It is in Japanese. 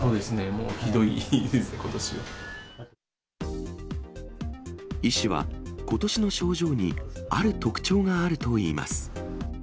もうひどいです、医師は、ことしの症状にある特徴があるといいます。